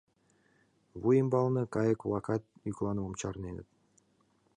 Вуй ӱмбалне кайык-влакат йӱкланымым чарненыт.